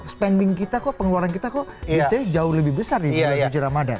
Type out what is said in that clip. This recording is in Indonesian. spending kita kok pengeluaran kita kok biasanya jauh lebih besar di bulan suci ramadan